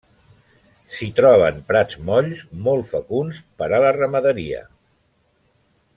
S'hi troben prats molls molt fecunds per a la ramaderia.